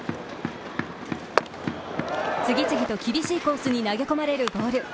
次々と厳しいコースに投げ込まれるボール。